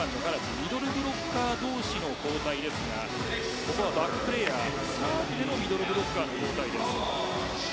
ミドルブロッカー同士の交代ですがサーブでのミドルブロッカーの交代です。